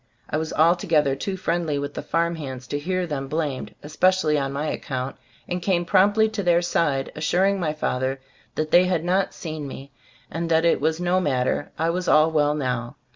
I was altogether too friendly with the farm hands to hear them blamed, especially on my account, and came promptly to their side, assuring my father that they had not seen me, and that it was "no matter," I was "all well now."